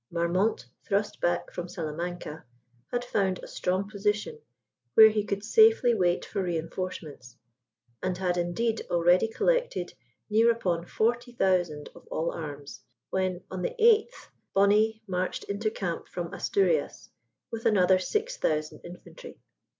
Marmont, thrust back from Salamanca, had found a strong position where he could safely wait for reinforcements, and had indeed already collected near upon forty thousand of all arms, when, on the 8th, Bonnet marched into camp from Asturias with another six thousand infantry.